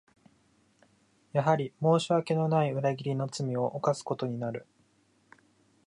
やはり申し訳のない裏切りの罪を犯すことになる